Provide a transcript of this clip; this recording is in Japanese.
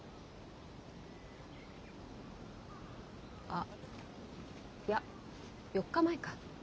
あいや４日前か。